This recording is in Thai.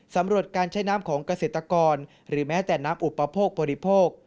สำหรับการใช้น้ำของเกษตรกรหรือแม้แต่น้ำอุปโภคบริโภค